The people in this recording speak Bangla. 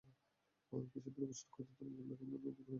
কিছুদূর অগ্রসর হইতেই তরঙ্গের বেগ অত্যন্ত অধিক বোধ হইল।